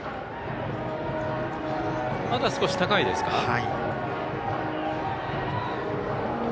まだ少し高いですか。